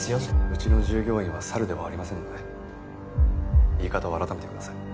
うちの従業員は猿ではありませんので言い方を改めてください。